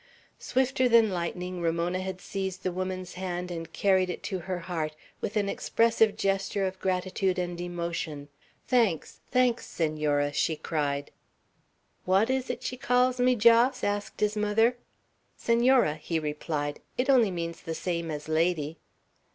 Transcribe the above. Swifter than lightning, Ramona had seized the woman's hand and carried it to her heart, with an expressive gesture of gratitude and emotion. "Thanks! thanks! Senora!" she cried. "What is it she calls me, Jos?" asked his mother. "Senora," he replied. "It only means the same as lady."